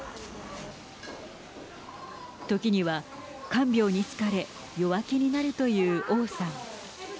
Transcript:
時には看病に疲れ弱気になるという王さん。